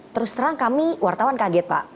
terus terang kami wartawan kaget pak